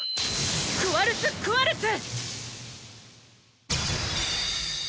「クワルツ・クワルツ」！